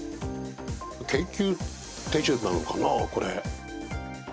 研究手順なのかなあこれ。